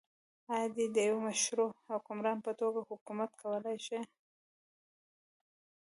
آیا دی د يوه مشروع حکمران په توګه حکومت کولای شي؟